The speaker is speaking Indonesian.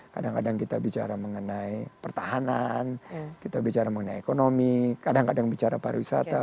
kadang kadang kita bicara mengenai pertahanan kita bicara mengenai ekonomi kadang kadang bicara pariwisata